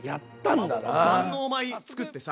万能米つくってさ。